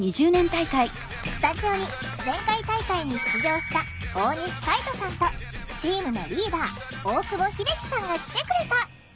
スタジオに前回大会に出場した大西海人さんとチームのリーダー大久保秀生さんが来てくれた。